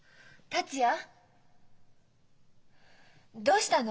達也！